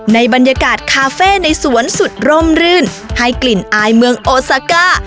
ในบรรยากาศคาเฟ่ในสวนสุดร่มรื่นให้กลิ่นอายเมืองโอซาก้า